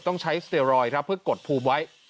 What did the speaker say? ต้องใช้สเตียรอยด์ครับเพื่อกดภูมิไว้